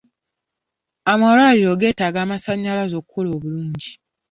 Amalwaliro geetaaga amasannyalaze okukola obulungi.